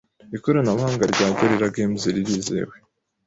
Ikoranabuhanga rya Gorilla Games ririzewe